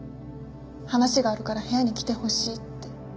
話があるから部屋に来てほしいって。